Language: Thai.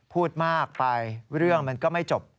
พูดมากไปเรื่องมันก็ไม่จบ